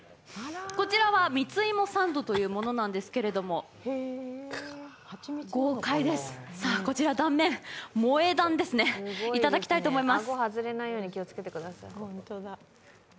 こちらは、みついもサンドというものなんですけれども、豪快です、こちら断面萌え断ですね、いただきたいと思います。